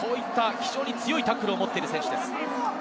非常に強いタックルを持っている選手です。